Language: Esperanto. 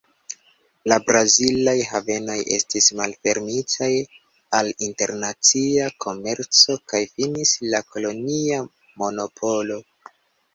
La brazilaj havenoj estis malfermitaj al internacia komerco kaj finis la kolonia monopolo.